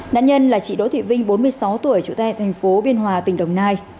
nạn nhân là chị đỗ thị vinh bốn mươi sáu tuổi chủ tài thành phố biên hòa tỉnh đồng nai